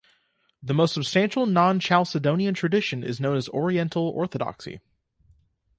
The most substantial non-Chalcedonian tradition is known as Oriental Orthodoxy.